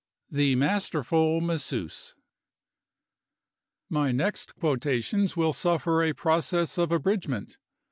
THE MASTERFUL MASSEUSE. My next quotations will suffer a process of abridgment.